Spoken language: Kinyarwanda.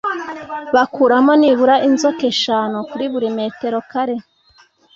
kabamo nibura inzoka eshanu kuri buri metero kare